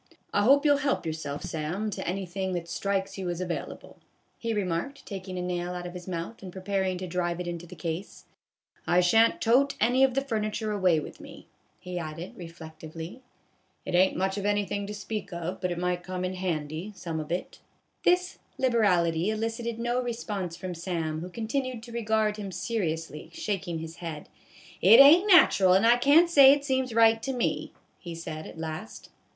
"I hope you'll help yourself, Sam, to anythin' 161 1 62 A BAG OF POP CORN. that strikes you as available," he remarked, taking a nail out of his mouth and preparing to drive it into the case ;" I sha' n't tote any of the furniture away with me," he added, reflectively. " It ain't much of anythin' to speak of, but it might come in handy, some of it." This liberality elicited no response from Sam, who continued to regard him seriously, shaking his head. " It ain't natural and I can't say it seems right to me," he said at last.